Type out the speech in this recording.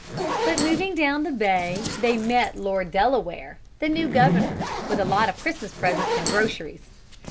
But moving down the bay they met Lord Delaware, the new Governor, with a lot of Christmas presents and groceries.